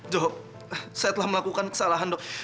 joho saya telah melakukan kesalahan dok